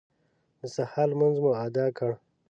د سهار لمونځ مو اداء کړ.